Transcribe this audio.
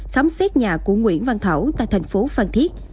khám xét nhà của nguyễn văn thảo tại tp phan thiết